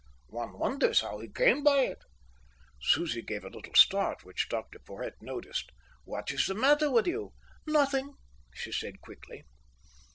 One wonders how he came by it." Susie gave a little start, which Dr Porhoët noticed. "What is the matter with you?" "Nothing," she said quickly.